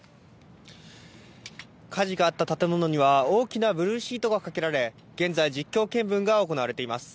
火事があった建物には大きなブルーシートがかけられ、現在実況見分が行われています。